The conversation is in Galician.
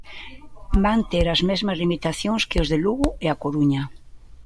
Van ter as mesmas limitacións que os de Lugo e A Coruña.